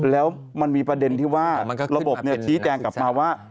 แล้วมันมีประเด็นที่ว่าระบบชี้แจงกลับมาว่า